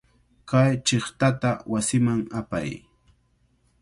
Kay chiqtata wasiman apay.